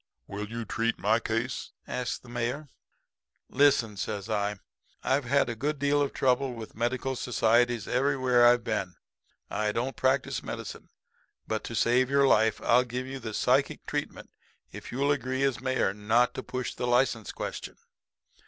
"'Will you treat my case?' asks the Mayor. "'Listen,' says I. 'I've had a good deal of trouble with medical societies everywhere I've been. I don't practice medicine. But, to save your life, I'll give you the psychic treatment if you'll agree as mayor not to push the license question.'